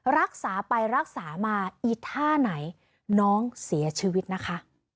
รักษาไปรักษามาอีท่าไหนน้องเสียชีวิตนะคะ